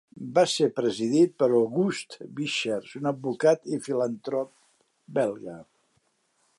Va ser presidit per Auguste Visschers, un advocat i filantrot belga.